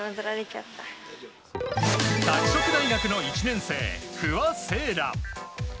拓殖大学の１年生、不破聖衣来。